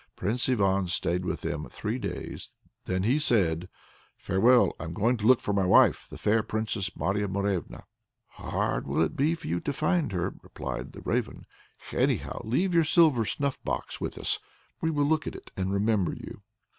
Prince Ivan stayed with them three days; then he said: "Farewell! I am going to look for my wife, the fair Princess Marya Morevna." "Hard will it be for you to find her," replied the Raven, "Anyhow, leave your silver snuff box with us. We will look at it and remember you."